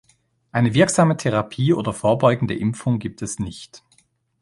Eine wirksame Therapie oder vorbeugende Impfung gibt es nicht.